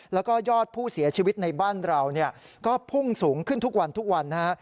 แล้วก็ยอดผู้เสียชีวิตในบ้านเราก็พุ่งสูงขึ้นทุกวันทุกวันนะฮะ